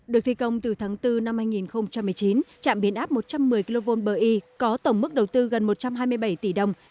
được thi công từ tháng bốn năm hai nghìn một mươi chín trạm biến áp một trăm một mươi kv bờ y có tổng mức đầu tư gần một trăm hai mươi bảy tỷ đồng